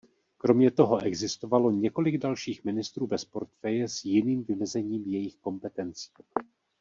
Kromě toho existovalo několik dalších ministrů bez portfeje s jiným vymezením jejich kompetencí.